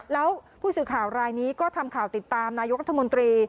แล้วผู้สื่อข่าวรายนี้ก็ทำข่าวติดตามนายกรัฐมนตรี